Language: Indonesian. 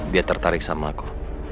dia tertarik sama aku